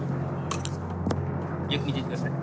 よく見ててください。